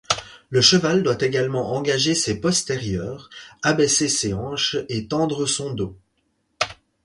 Le cheval doit également engager ses postérieurs, abaisser ses hanches et tendre son dos.